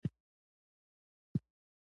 احمد زموږ په کار کې ول اچوي.